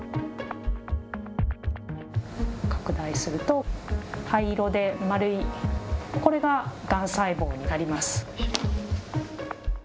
拡大すると、灰色で丸い、これががん細胞になります。